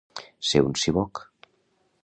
Ser un siboc